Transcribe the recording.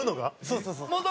そうそうそうそう。